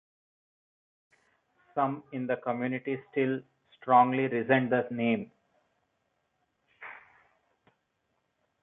Some in the community still strongly resent the name.